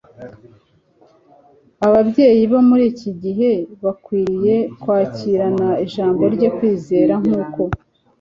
Ababyeyi bo muri iki gihe bakwiriye kwakirana ijambo rye kwizera nk'uko.